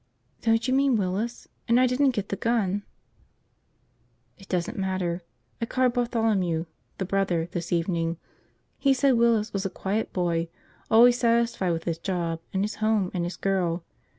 "Don't you mean Willis? And I didn't get the gun!" "It doesn't matter. I called Bartholomew, the brother, this morning. He said Willis was a quiet boy, always satisfied with his job and his home and his girl.